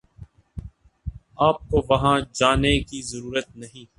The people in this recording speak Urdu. آپ کو وہاں جانے کی ضرورت نہیں